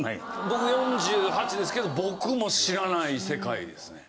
僕４８ですけど僕も知らない世界ですね。